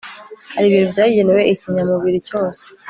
hari ibintu byagenewe ikinyamubiri cyose